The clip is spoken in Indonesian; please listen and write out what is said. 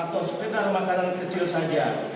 atau sekedar makanan kecil saja